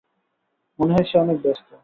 মনে হয় সে অনেক ব্যস্ত।